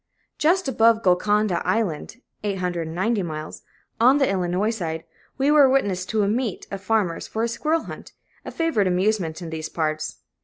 Just above Golconda Island (890 miles), on the Illinois side, we were witness to a "meet" of farmers for a squirrel hunt, a favorite amusement in these parts.